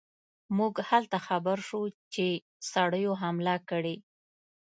موږ هلته خبر شو چې سړیو حمله کړې.